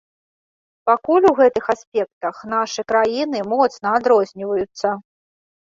Пакуль у гэтых аспектах нашы краіны моцна адрозніваюцца.